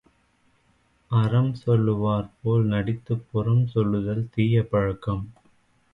அறம் சொல்லுவார்போல் நடித்துப் புறம் சொல்லுதல் தீயபழக்கம்.